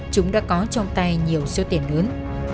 chúng đã có trong tay nhiều số tiền lớn